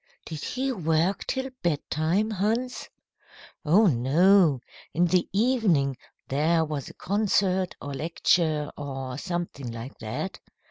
"Did he work till bedtime, Hans?" "Oh, no. In the evening there was a concert or lecture, or something like that.